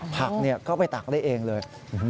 ผักก็ไปตักได้เองเลย